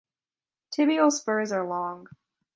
Tibial spurs are long.